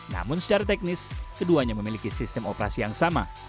namun secara teknis keduanya memiliki sistem operasi yang sama